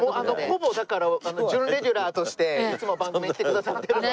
ほぼだから準レギュラーとしていつも番組に来てくださってるので。